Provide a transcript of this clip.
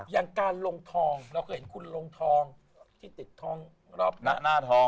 ยังการลงทองคุณลงทองที่ติดทองรอบหน้าทอง